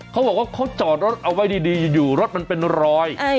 เขาบอกว่าเขาจอดรถเอาไว้ดีอยู่รถมันเป็นรอย